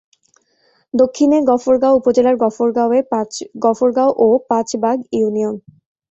দক্ষিণে গফরগাঁও উপজেলার গফরগাঁও ও পাঁচ বাগ ইউনিয়ন।